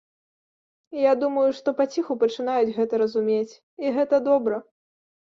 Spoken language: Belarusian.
Я думаю, што паціху пачынаюць гэта разумець, і гэта добра.